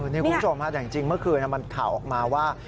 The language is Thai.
นี่คุณผู้ชมฮะแต่จริงเมื่อคืนมันข่าวออกมาว่า